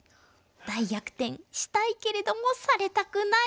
大逆転したいけれどもされたくない。